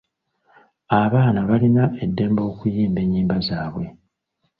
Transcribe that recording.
Abaana balina eddembe okuyimba ennyimba zaabwe.